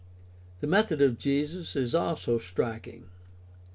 The method of Jesus is also striking.